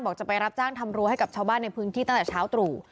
จะไปรับจ้างทำรั้วให้กับชาวบ้านในพื้นที่ตั้งแต่เช้าตรู่